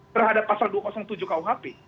terhadap pasal dua ratus tujuh kau hp